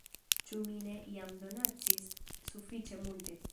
Ĉu mi ne jam donacis sufiĉe multe!"